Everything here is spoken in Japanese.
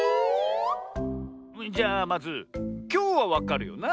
じゃあまずきょうはわかるよな？